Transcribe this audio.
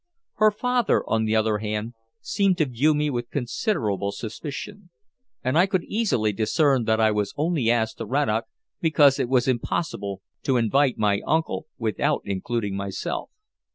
Her father, on the other hand, seemed to view me with considerable suspicion, and I could easily discern that I was only asked to Rannoch because it was impossible to invite my uncle without including myself.